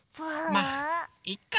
まいっか！